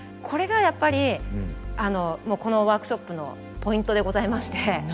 これがやっぱりこのワークショップのポイントでございまして。